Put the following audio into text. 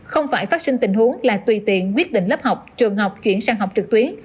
không phải phát sinh tình huống là tùy tiện quyết định lớp học trường học chuyển sang học trực tuyến